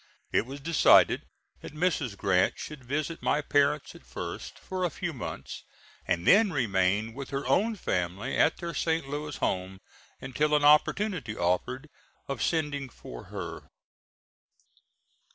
It was decided that Mrs. Grant should visit my parents at first for a few months, and then remain with her own family at their St. Louis home until an opportunity offered of sending for her.